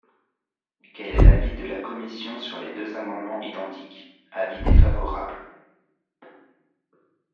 Quel est l’avis de la commission sur les deux amendements identiques ? Avis défavorable.